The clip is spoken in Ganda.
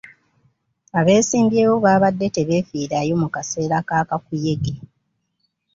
Abeesimbyewo baabadde tebeefiirayo mu kaseera ka kakuyege.